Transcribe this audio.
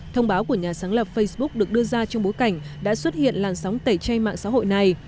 thông báo của nhà sáng lập facebook được đưa ra trong bối cảnh đã xuất hiện làn sóng tẩy chay mạng xã hội này